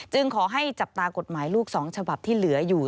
ขอให้จับตากฎหมายลูก๒ฉบับที่เหลืออยู่